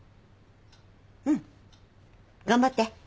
うん。頑張って。